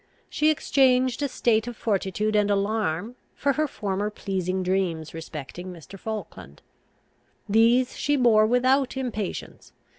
She exchanged a state of fortitude and alarm for her former pleasing dreams respecting Mr. Falkland. These she bore without impatience.